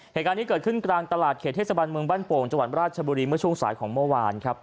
เหตุการณ์นี้เกิดขึ้นกลางตลาดเขตเทศบาลเมืองบ้านโป่งจังหวัดราชบุรีเมื่อช่วงสายของเมื่อวานครับ